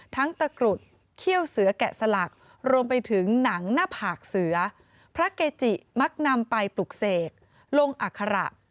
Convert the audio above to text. ตะกรุดเขี้ยวเสือแกะสลักรวมไปถึงหนังหน้าผากเสือพระเกจิมักนำไปปลุกเสกลงอัคระ